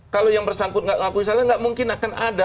kalau yang bersangkut nggak mengakui kesalahan nggak mungkin akan ada